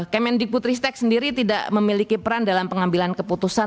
kemendik putristek sendiri tidak memiliki peran dalam pengambilan keputusan